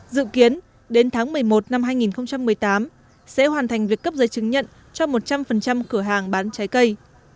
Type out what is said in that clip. dự kiến đến tháng một mươi một năm hai nghìn một mươi tám sẽ hoàn thành việc cấp giấy chứng nhận cho một trăm linh cửa hàng bán trái cây